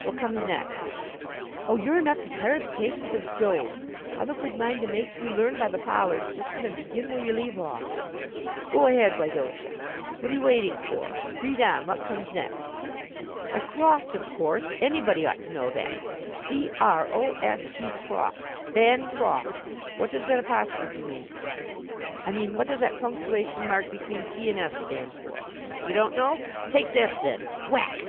What comes next? Oh, you're enough to tire the patience of Job! I've a good mind to make you learn by the Pollard system, and begin where you leave off! Go ahead, why don't you? Whatta you waiting for? Read on! What comes next? Why, croft, of course; anybody ought to know that c r o f t, croft, Bancroft! What does that apostrophe mean? I mean, what does that punctuation mark between t and s stand for? You don't know? Take that, then! (whack).